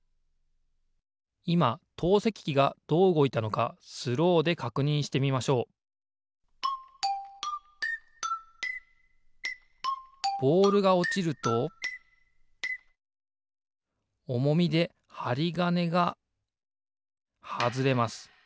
いま投石機がどううごいたのかスローでかくにんしてみましょうボールがおちるとおもみではりがねがはずれます。